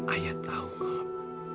ayah tau kok